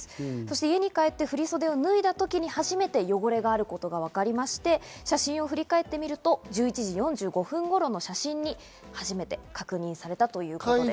家に帰って振り袖を脱いだ時に初めて汚れがあることがわかりまして、写真を振り返ってみると１１時４５分頃の写真に初めて確認されたということです。